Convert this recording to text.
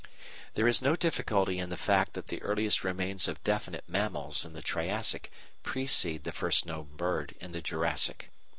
There is no difficulty in the fact that the earliest remains of definite mammals in the Triassic precede the first known bird in the Jurassic.